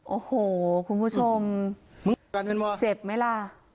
โอ้โหคุณผู้ชมเจ็บไหมล่ะ